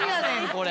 これ。